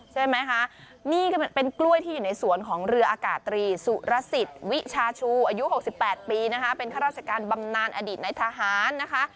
ใช่ไหมคะนี่ก็เป็นกล้วยที่อยู่ในสวนของเรืออากาศตรีสุรสิทธิ์วิชาชูอายุ๖๘ปีนะคะเป็นข้าราชการบำนานอดีตในทหารนะคะ